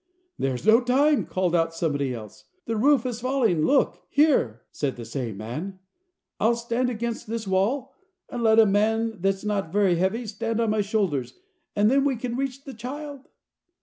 "There's no time," called out somebody else; "the roof is falling in. Look here!" said the same man, "I'll stand against this wall, and let a man that's not very heavy stand on my shoulders, and then we can reach the child."